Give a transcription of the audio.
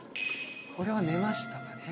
これは寝ましたかね？